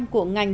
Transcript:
ba năm của ngành